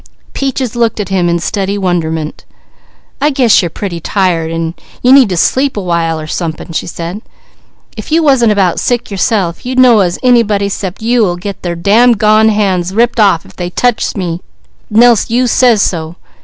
Peaches looked at him in steady wonderment. "I guess you're pretty tired, an' you need to sleep a while, or somepin," she said. "If you wasn't about sick yourself, you'd know 'at anybody 'cept you 'ull get their dam gone heads ripped off if they touches me, nelse you say so.